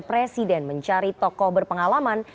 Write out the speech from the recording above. presiden mencari tokoh berpengalaman